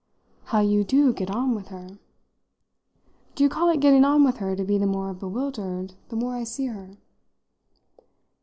"How you do get on with her!" "Do you call it getting on with her to be the more bewildered the more I see her?"